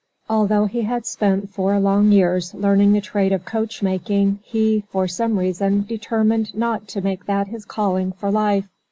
Although he had spent four long years learning the trade of coach making he, for some reason, determined not to make that his calling for life.